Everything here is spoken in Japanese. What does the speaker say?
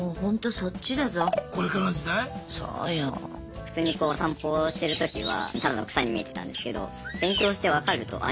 普通にこうお散歩してる時はただの草に見えてたんですけど勉強して分かるとあれ？